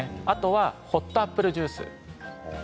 あとホットアップルジュース。